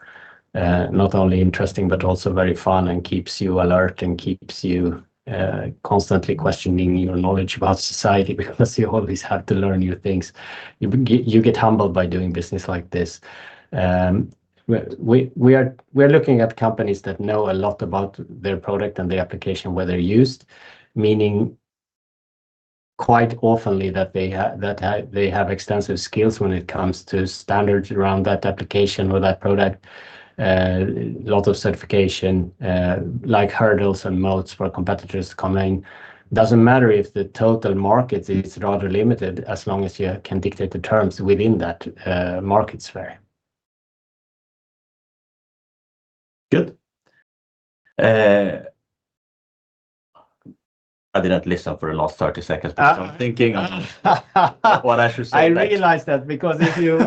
not only interesting, but also very fun and keeps you alert and keeps you constantly questioning your knowledge about society, because you always have to learn new things. You get humbled by doing business like this. We are looking at companies that know a lot about their product and the application where they're used, meaning quite often that they have extensive skills when it comes to standards around that application or that product. A lot of certification like hurdles and modes for competitors coming. Doesn't matter if the total market is rather limited, as long as you can dictate the terms within that, market sphere. Good. I didn't listen for the last 30 seconds - but I'm thinking on what I should say next. I realized that, because if you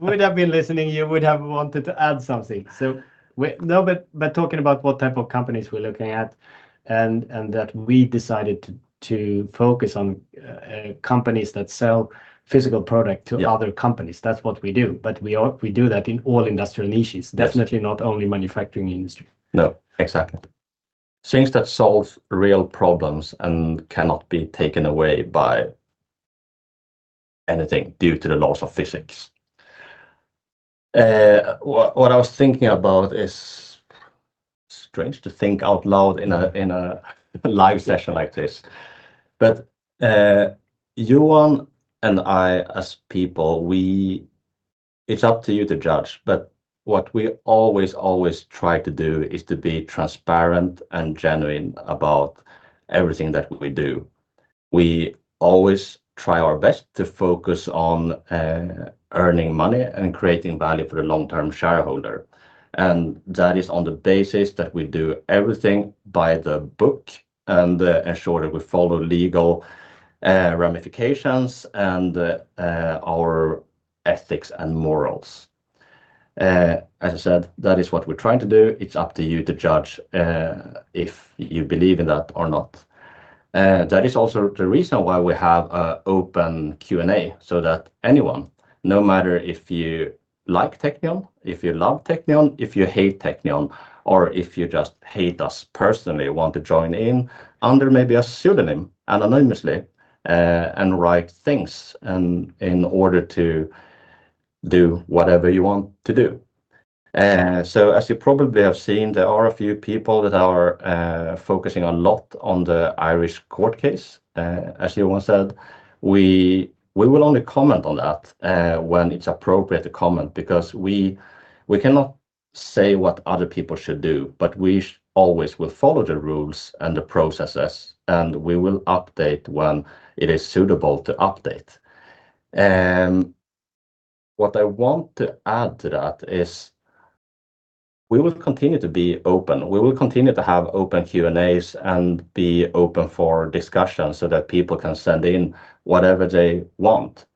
would have been listening, you would have wanted to add something. No, but talking about what type of companies we're looking at and that we decided to focus on, companies that sell physical product to other companies. That's what we do, but we all, we do that in all industrial niches. Yes. Definitely not only manufacturing industry. No, exactly. Things that solve real problems and cannot be taken away by anything due to the laws of physics. What I was thinking about is strange to think out loud in a live session like this. But, Johan and I, as people, we, it's up to you to judge, but what we always, always try to do is to be transparent and genuine about everything that we do. We always try our best to focus on earning money and creating value for the long-term shareholder, and that is on the basis that we do everything by the book and ensure that we follow legal ramifications and our ethics and morals. As I said, that is what we're trying to do. It's up to you to judge if you believe in that or not. That is also the reason why we have a open Q&A, so that anyone, no matter if you like Teqnion, if you love Teqnion, if you hate Teqnion, or if you just hate us personally, want to join in under maybe a pseudonym, anonymously, and write things in, in order to do whatever you want to do. So as you probably have seen, there are a few people that are focusing a lot on the Irish court case. As Johan said, we, we will only comment on that when it's appropriate to comment, because we, we cannot say what other people should do, but we always will follow the rules and the processes, and we will update when it is suitable to update. What I want to add to that is, we will continue to be open. We will continue to have open Q&As and be open for discussion so that people can send in whatever they want.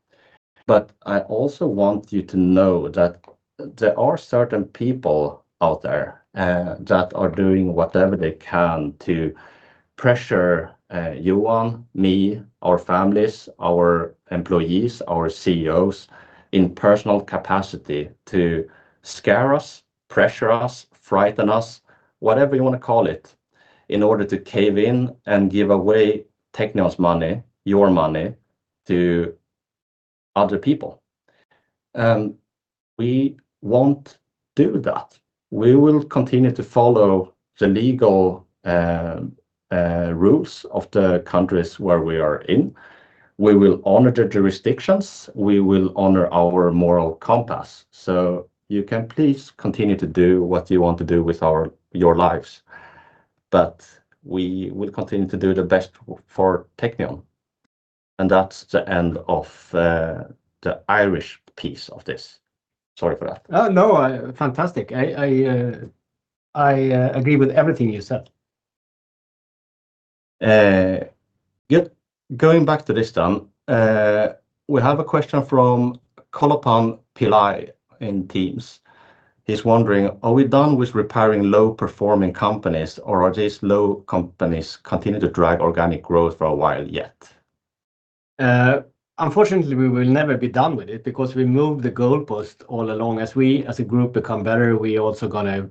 But I also want you to know that there are certain people out there that are doing whatever they can to pressure Johan, me, our families, our employees, our CEOs, in personal capacity, to scare us, pressure us, frighten us, whatever you wanna call it, in order to cave in and give away Teqnion's money, your money, to other people. And we won't do that. We will continue to follow the legal rules of the countries where we are in. We will honor the jurisdictions. We will honor our moral compass. So you can please continue to do what you want to do with our, your lives. But we will continue to do the best for Teqnion, and that's the end of the Irish piece of this. Sorry for that. Oh, no, fantastic. I agree with everything you said. Good. Going back to this then, we have a question from Kolappan Pillai in Teams. He's wondering: Are we done with repairing low-performing companies, or are these low companies continue to drive organic growth for a while yet? Unfortunately, we will never be done with it because we moved the goalpost all along. As we, as a group, become better, we also gonna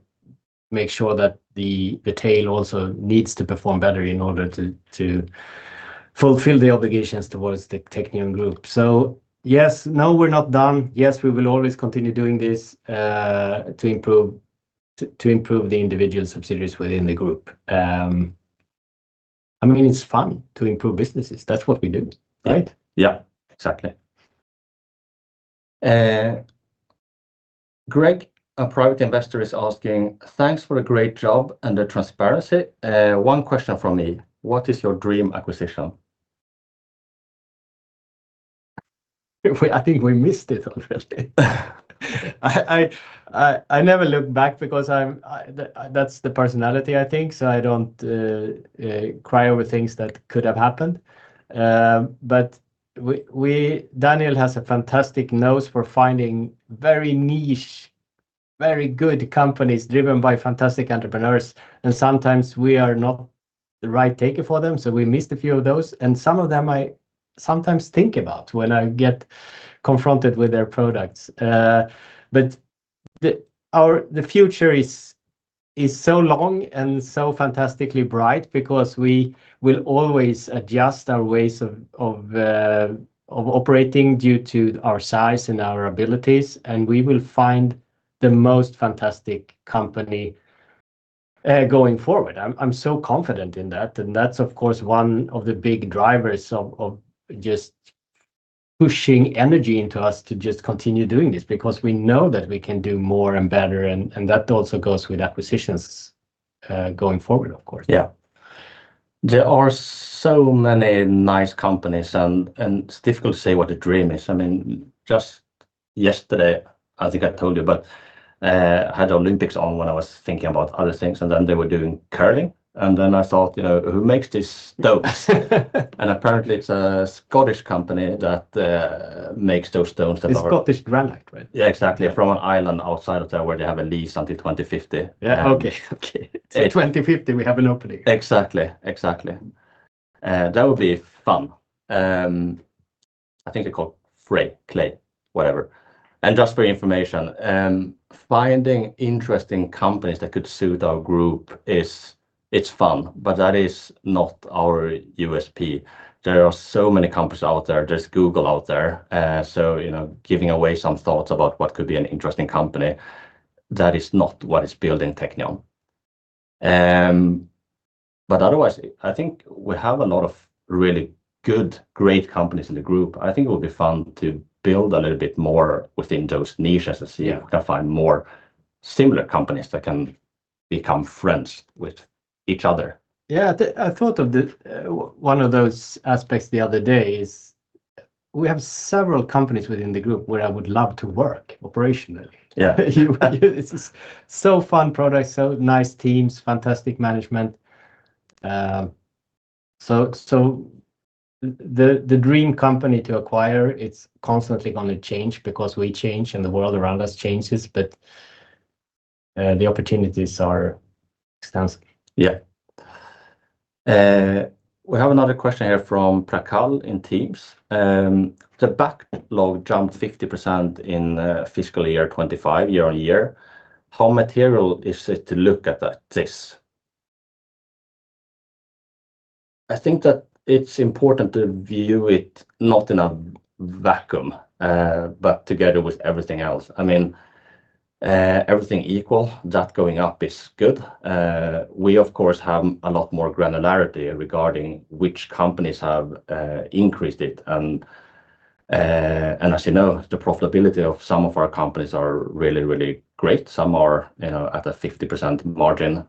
make sure that the, the tail also needs to perform better in order to, to fulfill the obligations towards the Teqnion group. So yes, no, we're not done. Yes, we will always continue doing this, to improve, to, to improve the individual subsidiaries within the group. I mean, it's fun to improve businesses. That's what we do, right? Yeah. Exactly. Greg, a private investor, is asking: Thanks for the great job and the transparency. One question from me, what is your dream acquisition? I think we missed it, unfortunately. I never look back because I'm, that's the personality I think. So I don't cry over things that could have happened. But we, Daniel has a fantastic nose for finding very niche, very good companies driven by fantastic entrepreneurs, and sometimes we are not the right taker for them, so we missed a few of those, and some of them I sometimes think about when I get confronted with their products. But the future is so long and so fantastically bright because we will always adjust our ways of operating due to our size and our abilities, and we will find the most fantastic company going forward. I'm so confident in that, and that's, of course, one of the big drivers of just pushing energy into us to just continue doing this because we know that we can do more and better, and that also goes with acquisitions going forward, of course. Yeah. There are so many nice companies and, and it's difficult to say what the dream is. I mean, just yesterday, I think I told you, but I had the Olympics on when I was thinking about other things, and then they were doing curling, and then I thought, you know, "Who makes these stones?" And apparently, it's a Scottish company that makes those stones that are- It's Scottish granite, right? Yeah, exactly. From an island outside of there where they have a lease until 2050. Yeah. Okay. Okay. 2050, we have an opening. Exactly, exactly. That would be fun. I think they're called frey, clay, whatever. Just for your information, finding interesting companies that could suit our group is, it's fun, but that is not our USP. There are so many companies out there. There's Google out there. So, you know, giving away some thoughts about what could be an interesting company, that is not what is building Teqnion. But otherwise, I think we have a lot of really good, great companies in the group. I think it will be fun to build a little bit more within those niches and see if we can find more similar companies that can become friends with each other. Yeah, I thought of one of those aspects the other day is we have several companies within the group where I would love to work operationally. It's so fun products, so nice Teams, fantastic management. So the dream company to acquire, it's constantly gonna change because we change, and the world around us changes, but the opportunities are extensive. Yeah. We have another question here from Prakhar in Teams. "The backlog jumped 50% in fiscal year 2025 year-on-year. How material is it to look at that this?" I think that it's important to view it not in a vacuum, but together with everything else. I mean, everything equal, that going up is good. We, of course, have a lot more granularity regarding which companies have increased it, and as you know, the profitability of some of our companies are really, really great. Some are, you know, at a 50% margin,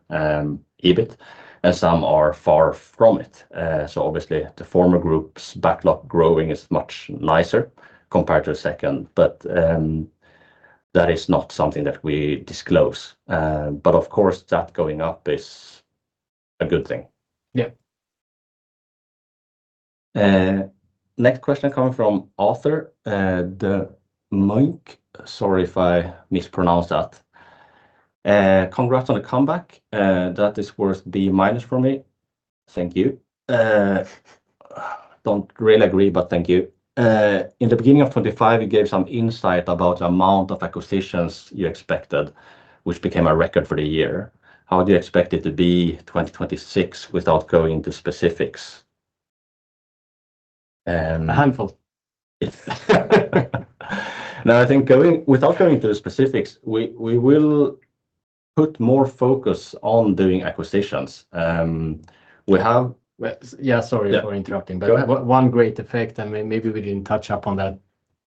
EBIT, and some are far from it. So obviously, the former group's backlog growing is much nicer compared to the second, but that is not something that we disclose, but of course, that going up is a good thing. Next question coming from Arthur de Munck. Sorry if I mispronounced that. "Congrats on the comeback. That is worth B-minus for me." Thank you. Don't really agree, but thank you. "In the beginning of 2025, you gave some insight about the amount of acquisitions you expected, which became a record for the year. How do you expect it to be 2026 without going into specifics? A handful. No, I think going without going into the specifics, we will put more focus on doing acquisitions. We have- Well, yeah, sorry for interrupting. Yeah. Go ahead. One great effect, and maybe we didn't touch up on that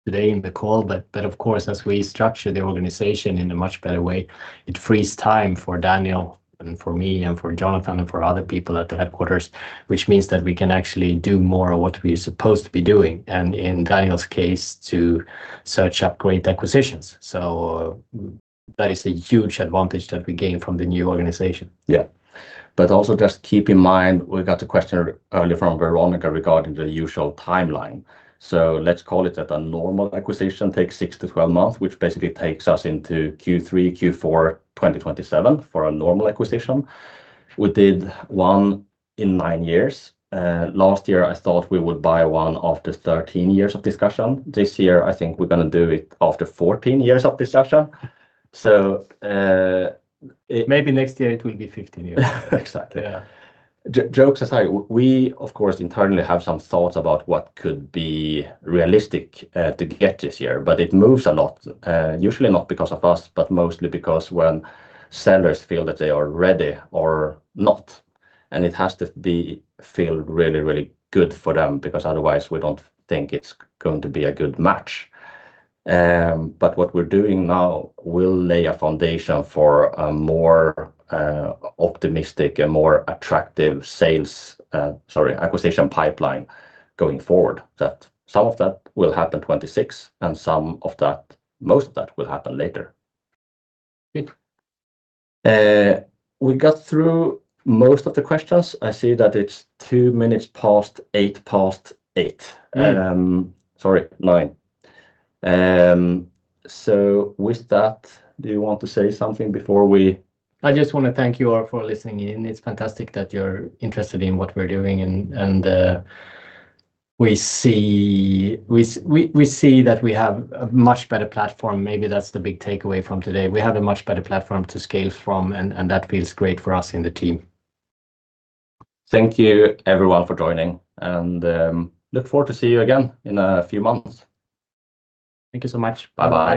today in the call, but of course, as we structure the organization in a much better way, it frees time for Daniel and for me, and for Jonathan, and for other people at the headquarters, which means that we can actually do more of what we're supposed to be doing, and in Daniel's case, to search up great acquisitions. So that is a huge advantage that we gain from the new organization. Yeah. But also just keep in mind, we got a question earlier from Veronica regarding the usual timeline. So let's call it that a normal acquisition takes six to 12 months, which basically takes us into Q3, Q4 2027 for a normal acquisition. We did one in nine years. Last year, I thought we would buy one after 13 years of discussion. This year, I think we're going to do it after 14 years of discussion. So, Maybe next year, it will be 15 years. Exactly. Jokes aside, we, of course, internally have some thoughts about what could be realistic to get this year, but it moves a lot, usually not because of us, but mostly because when sellers feel that they are ready or not, and it has to be feel really, really good for them, because otherwise we don't think it's going to be a good match. But what we're doing now will lay a foundation for a more optimistic and more attractive sales, sorry, acquisition pipeline going forward, that some of that will happen 2026, and some of that-- most of that will happen later. Good. We got through most of the questions. I see that it's 2 minutes past eight. Sorry, nine. So with that, do you want to say something before we. I just want to thank you all for listening in. It's fantastic that you're interested in what we're doing, and we see that we have a much better platform. Maybe that's the big takeaway from today. We have a much better platform to scale from, and that feels great for us in the team. Thank you, everyone, for joining, and, look forward to see you again in a few months. Thank you so much. Bye-bye.